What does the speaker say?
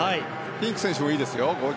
フィンク選手もいいですよ